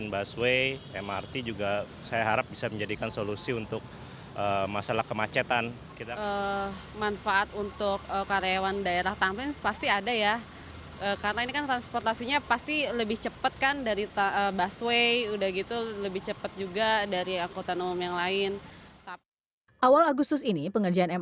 berikut laporannya untuk anda